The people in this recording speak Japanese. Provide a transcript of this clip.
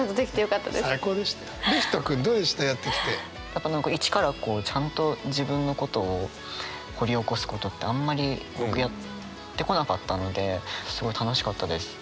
やっぱ何か一からちゃんと自分のことを掘り起こすことってあんまり僕やってこなかったのですごい楽しかったです。